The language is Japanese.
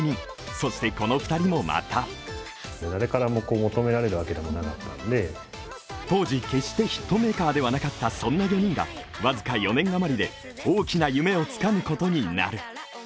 そしてこの２人もまた当時、決してヒットメーカーではなかったそんな４人が僅か４年余りで大きな夢をつかむことになる。